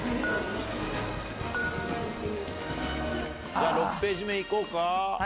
じゃあ６ページ目いこうか。